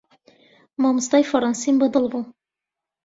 مامۆستای فەڕەنسیم بەدڵ بوو.